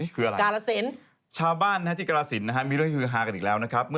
ครับบ้านที่กรกศาสน